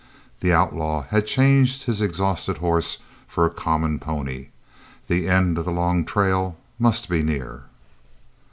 The outlaw had changed his exhausted horse for a common pony. The end of the long trail must be near.